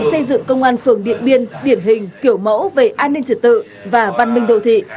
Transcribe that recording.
xây dựng công an phường điện biên điển hình kiểu mẫu về an ninh trật tự và văn minh đô thị